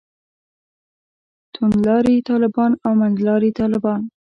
توندلاري طالبان او منځلاري طالبان.